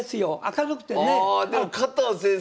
でも加藤先生